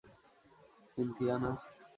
Cynthia, না?